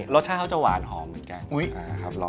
รสชาติเขาจะหวานหอมเหมือนกัน